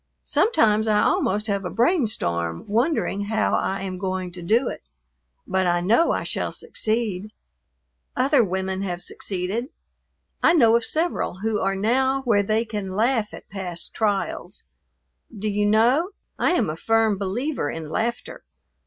Sometimes I almost have a brain storm wondering how I am going to do it, but I know I shall succeed; other women have succeeded. I know of several who are now where they can laugh at past trials. Do you know? I am a firm believer in laughter.